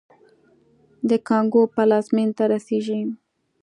د کانګو پلازمېنې ته رسېږي.